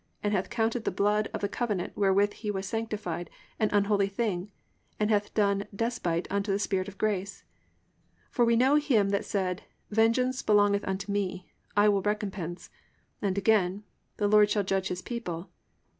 and hath counted the blood of the covenant wherewith he was sanctified an unholy thing, and hath done despite unto the Spirit of grace? (30) For we know him that said, Vengeance belongeth unto me, I will recompense. And again, The Lord shall judge his people.